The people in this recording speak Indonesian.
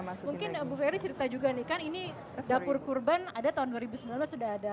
mas mungkin bu ferry cerita juga nih kan ini dapur kurban ada tahun dua ribu sembilan belas sudah ada